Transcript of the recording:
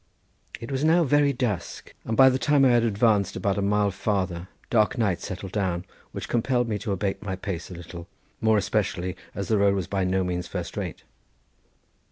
It was now very dusk, and by the time I had advanced about a mile farther dark night settled down, which compelled me to abate my pace a little, more especially as the road was by no means first rate.